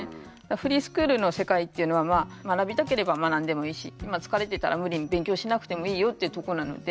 フリースクールの世界っていうのはまあ学びたければ学んでもいいし疲れてたら無理に勉強しなくてもいいよっていうとこなので。